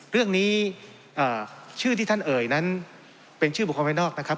เรื่องนี้ชื่อที่ท่านเอ่ยนั้นเป็นชื่อบุคคลภายนอกนะครับ